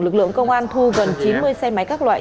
lực lượng công an thu gần chín mươi xe máy các loại